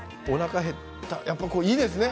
やっぱりいいですね